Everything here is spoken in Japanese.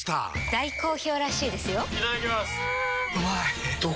大好評らしいですよんうまい！